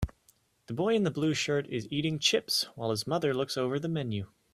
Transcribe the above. The boy in the blue shirt is eating chips while his mother looks over the menu